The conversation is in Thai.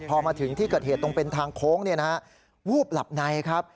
พอมาถึงที่เกิดเหตุตรงเป็นทางโค้งวูบหลับในครับ